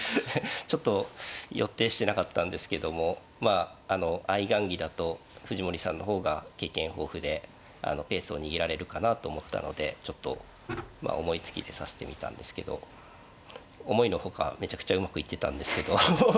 ちょっと予定してなかったんですけどもまああの相雁木だと藤森さんの方が経験豊富でペースを握られるかなと思ったのでちょっとまあ思いつきで指してみたんですけど思いの外めちゃくちゃうまくいってたんですけど。